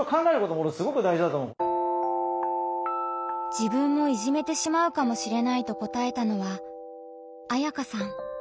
自分もいじめてしまうかもしれないと答えたのはあやかさん。